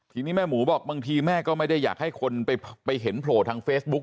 ทีนี้แม่หมูบอกบางทีแม่ก็ไม่ได้อยากให้คนไปเห็นโผล่ทางเฟซบุ๊ค